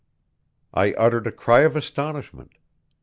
I uttered a cry of astonishment.